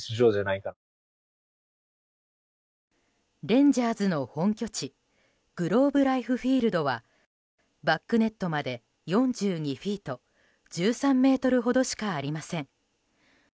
レンジャーズの本拠地グローブライフ・フィールドはバックネットまで４２フィート１３ｍほどしかありません。